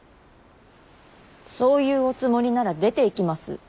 そういうおつもりなら出ていきます。